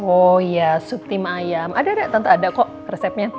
oh iya sup tim ayam ada ada tante ada kok resepnya